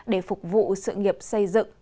để phục vụ sự nghiệp xây dựng